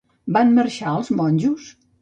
Van marxar, els monjos?